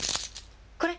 これ。